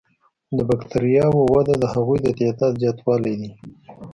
د بکټریاوو وده د هغوی د تعداد زیاتوالی دی.